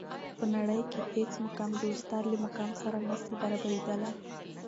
په نړۍ کي هیڅ مقام د استاد له مقام سره نسي برابري دلای.